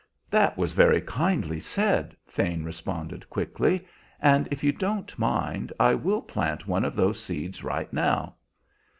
"That is very kindly said," Thane responded quickly; "and if you don't mind, I will plant one of those seeds right now."